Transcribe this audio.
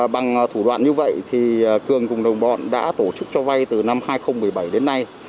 bằng thủ đoạn như vậy cường cùng đồng bọn đã tổ chức cho vay từ năm hai nghìn một mươi bảy đến nay